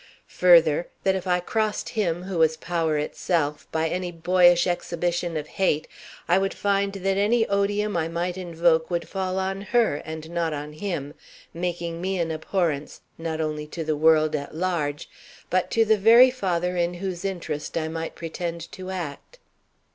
Further, that if I crossed him, who was power itself, by any boyish exhibition of hate, I would find that any odium I might invoke would fall on her and not on him, making me an abhorrence, not only to the world at large, but to the very father in whose interest I might pretend to act.